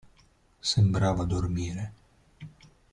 Sembrava dormire.